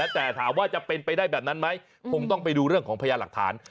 แต่ถามว่าจะเป็นไปได้แบบนั้นไหมคงต้องไปดูเรื่องของพญาหลักฐาน